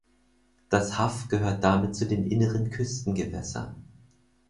Das Haff gehört damit zu den inneren Küstengewässern.